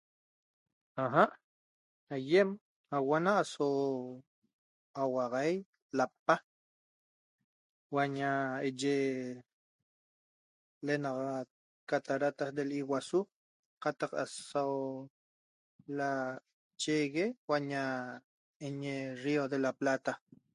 Aja aiem aguana so auaxai lapa huaña eye lenaxat cataratas del Iguazú cataq aso lachexe uaña enye rio de la plata